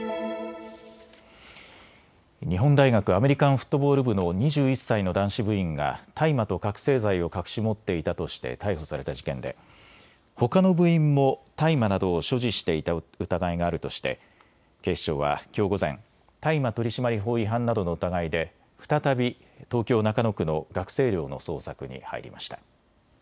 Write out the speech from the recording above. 日本大学アメリカンフットボール部の２１歳の男子部員が大麻と覚醒剤を隠し持っていたとして逮捕された事件でほかの部員も大麻などを所持していた疑いがあるとして警視庁はきょう午前大麻取締法違反などの疑いで再び東京中野区の学生寮の捜索に入りました。